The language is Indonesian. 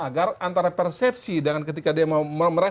agar antara persepsi dengan ketika dia mau merespon persepsi